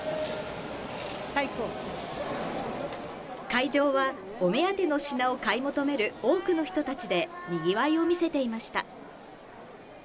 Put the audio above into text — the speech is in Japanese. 会場はお目当ての品を買い求める多くの人たちでにぎわいを見せていました。